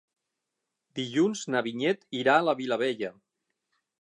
Dilluns na Vinyet irà a la Vilavella.